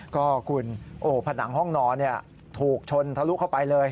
ก็คุณผนังห้องนอนถูกชนทะลุเข้าไปเลย